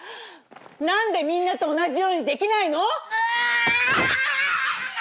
何でみんなと同じようにできないの？